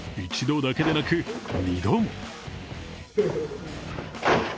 １度だけでなく２度も。